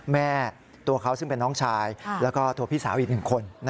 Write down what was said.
แม่ตัวเขาซึ่งเป็นน้องชายแล้วก็ตัวพี่สาวอีกหนึ่งคน